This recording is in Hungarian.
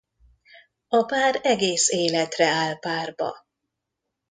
A pár egész életre áll párba.